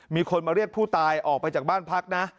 มีคนมาเรียกผู้ตายออกไปจากบ้านพักนะ